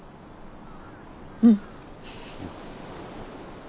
うん。